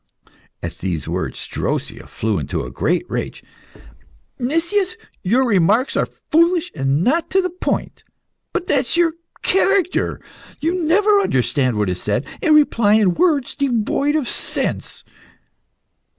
At these words Drosea flew into a great rage. "Nicias, your remarks are foolish and not to the point. But that is your character you never understand what is said, and reply in words devoid of sense."